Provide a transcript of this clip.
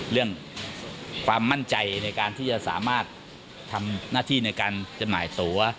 เรื่องความมั่นใจในการที่จะสามารถทำหน้าที่ในการจำหน่ายตัว